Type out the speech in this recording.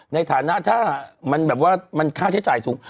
ในฐานะมันแบบว่าค่าใช้จ่ายสูง